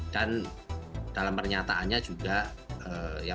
dan dalam pernyataannya juga yang bersangkutan